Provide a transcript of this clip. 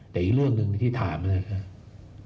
แต่อีกเรื่องหนึ่งที่ถามนะครับ